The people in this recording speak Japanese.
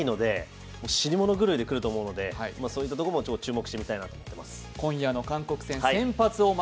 韓国は後がないので死に物狂いで来ると思うのでそういったところも注目して見たいと思います。